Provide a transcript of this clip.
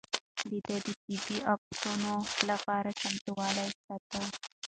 ده د طبيعي افتونو لپاره چمتووالی ساته.